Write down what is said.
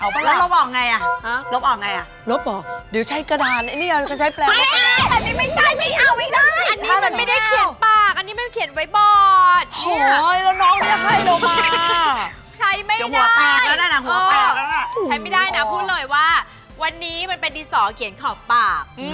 พูดเลยว่าวันนี้มันเป็นดีสอเขียนขอบปาก